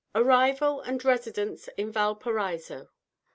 ARRIVAL AND RESIDENCE IN VALPARAISO.